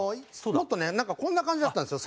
もっとねなんかこんな感じだったんですよ